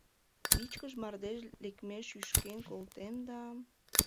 Вичкыж мардеж лекмеш шӱшкен колтем да.